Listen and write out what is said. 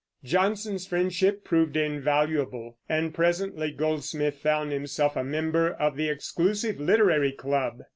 Johnson's friendship proved invaluable, and presently Goldsmith found himself a member of the exclusive Literary Club.